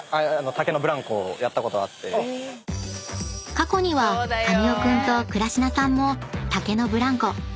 ［過去には神尾君と倉科さんも竹のブランコ体験しましたよね。